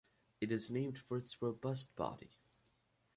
It is named for its robust body.